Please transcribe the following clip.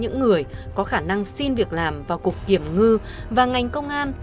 những người có khả năng xin việc làm vào cục kiểm ngư và ngành công an